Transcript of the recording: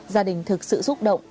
gia đình thực sự xúc động